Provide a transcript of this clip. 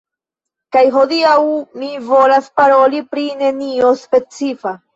Kaj hodiaŭ mi volas paroli pri nenio specifa